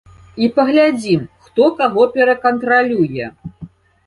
І паглядзім, хто каго перакантралюе.